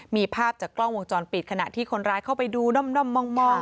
มีภาพจากกล้องวงจรปิดขณะที่คนร้ายเข้าไปดูน่อม